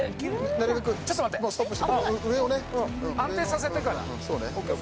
安定させてから。